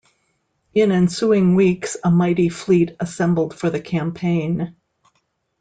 In ensuing weeks a mighty fleet assembled for the campaign.